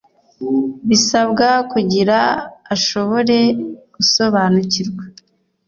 bisabwa kugira ashobore gusobanukirwa